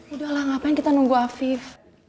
udah lah ngapain kita nunggu afif